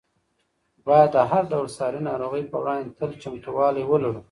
باید د هر ډول ساري ناروغۍ په وړاندې تل چمتووالی ولرو.